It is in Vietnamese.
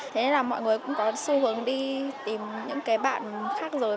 thế nên là mọi người cũng có xu hướng đi tìm những cái bạn khác rồi